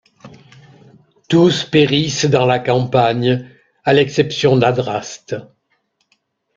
Tous périssent dans la campagne, à l'exception d'Adraste.